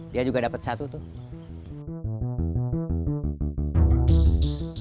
dia juga dapat satu tuh